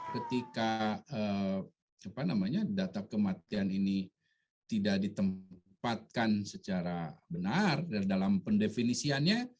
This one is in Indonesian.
ketika data kematian ini tidak ditempatkan secara benar dalam pendefinisiannya